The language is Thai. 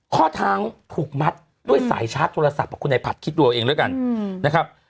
ข้อเท้าถูกมัดด้วยสายชาร์จโทรศัพท์คุณไอผัดคิดดูเอาเองแล้วกันนะครับ